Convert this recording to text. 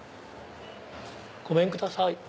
ごめんください